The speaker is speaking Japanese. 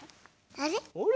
あれ？